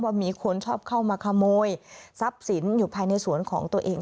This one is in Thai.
มีคนชอบเข้ามาขโมยทรัพย์สินอยู่ภายในสวนของตัวเอง